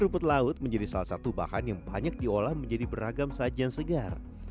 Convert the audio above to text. rumput laut menjadi salah satu bahan yang banyak diolah menjadi beragam sajian segar